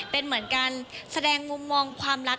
เป็นเหมือนการแสดงมุมมองความรัก